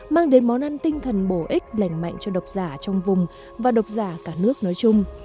mang đến món ăn tinh thần bổ ích lành mạnh cho độc giả trong vùng và độc giả cả nước nói chung